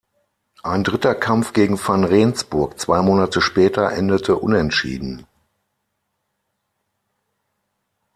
Ein dritter Kampf gegen van Rensburg zwei Monate später endete unentschieden.